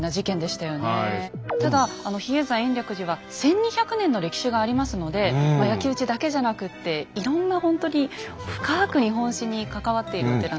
ただ比叡山延暦寺は１，２００年の歴史がありますのでまあ焼き打ちだけじゃなくっていろんなほんとに深く日本史に関わっているお寺なんです。